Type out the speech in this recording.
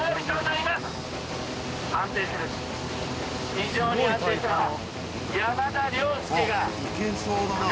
非常に安定してます。